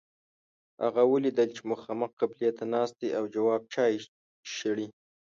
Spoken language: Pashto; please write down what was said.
هغه ولید چې مخامخ قبلې ته ناست دی او جواب چای شړي.